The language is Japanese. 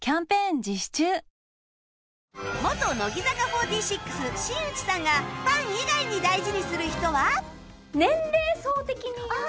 元乃木坂４６新内さんがファン以外に大事にする人は？